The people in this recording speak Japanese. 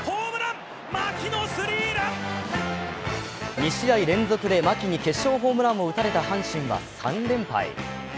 ２試合連続で牧に決勝ホームランを打たれた阪神は３連敗。